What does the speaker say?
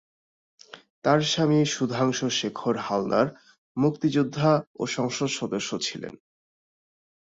তার স্বামী সুধাংশু শেখর হালদার মুক্তিযোদ্ধা ও সংসদ সদস্য ছিলেন।